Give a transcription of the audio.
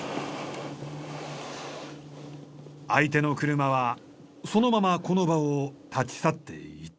相手の車はそのままこの場を立ち去っていった。